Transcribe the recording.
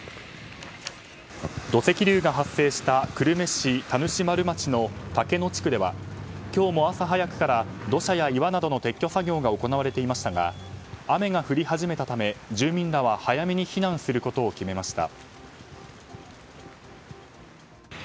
土石流が発生した久留米市田主丸町の竹野地区では今日も朝早くから土砂や岩などの撤去作業が行われていましたが雨が降り始めたため住民らは早めに避難することを決めました。